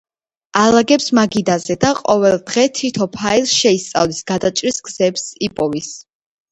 ალაგებს მაგიდაზე და ყოველ დღე თითო ფაილს შეისწავლის, გადაჭრის გზებს იპოვის